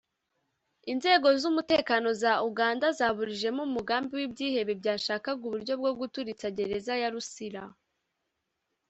Inzego z’umutekano za Uganda zaburijemo umugambi w’ibyihebe byashakaga uburyo bwo guturitsa Gereza ya Luzira